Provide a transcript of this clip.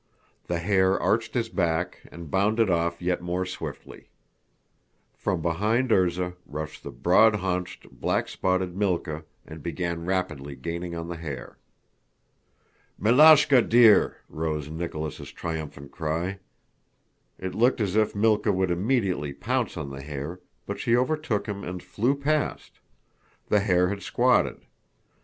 The hare arched his back and bounded off yet more swiftly. From behind Erzá rushed the broad haunched, black spotted Mílka and began rapidly gaining on the hare. "Miláshka, dear!" rose Nicholas' triumphant cry. It looked as if Mílka would immediately pounce on the hare, but she overtook him and flew past. The hare had squatted.